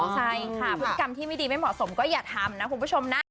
ใช่ค่ะพฤติกรรมที่ไม่ดีไม่เหมาะสมก็อย่าทำนะคุณผู้ชมนะ